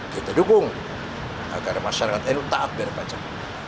kita dukung agar masyarakat nu tak bayar pajak